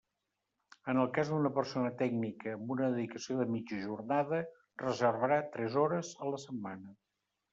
En el cas d'una persona tècnica amb una dedicació de mitja jornada reservarà tres hores a la setmana.